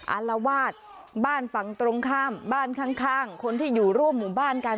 อารวาสบ้านฝั่งตรงข้ามบ้านข้างคนที่อยู่ร่วมหมู่บ้านกัน